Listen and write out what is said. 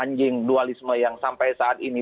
anjing dualisme yang sampai saat ini